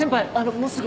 もうすぐ。